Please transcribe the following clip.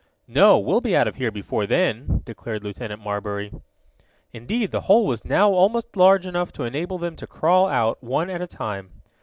"No, we'll be out of here before then!" declared Lieutenant Marbury. Indeed the hole was now almost large enough to enable them to crawl out one at a time.